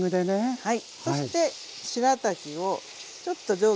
はい。